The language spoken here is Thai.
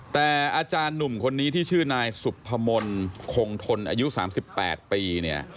แต่อาจารย์หนุ่มคนนี้ที่ชื่อนายสุพมนต์คงทนอายุ๓๘ปีเนี่ย